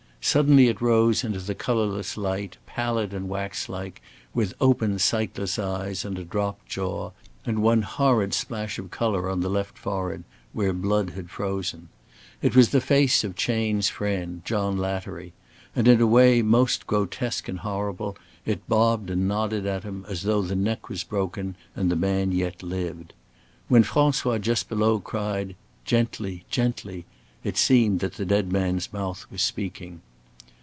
Suddenly it rose into the colorless light, pallid and wax like, with open, sightless eyes and a dropped jaw, and one horrid splash of color on the left forehead, where blood had frozen. It was the face of Chayne's friend, John Lattery; and in a way most grotesque and horrible it bobbed and nodded at him, as though the neck was broken and the man yet lived. When François just below cried, "Gently! Gently," it seemed that the dead man's mouth was speaking.